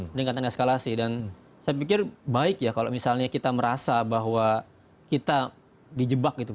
peningkatan eskalasi dan saya pikir baik ya kalau misalnya kita merasa bahwa kita dijebak gitu